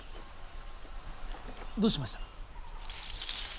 どうしました？